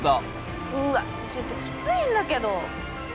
うわっちょっときついんだけど。